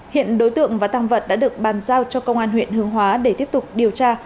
hiện đối tượng và tăng vật đã được bàn giao cho công an huyện hương hóa để tiếp tục điều tra